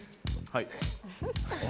はい。